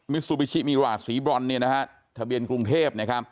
ซูบิชิมิราชสีบรอนทะเบียนกรุงเทพ